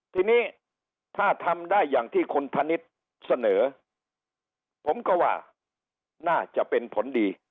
ทีนี้ถ้าทำได้อย่างที่คุณธนิษฐ์เสนอผมก็ว่าน่าจะเป็นผลดี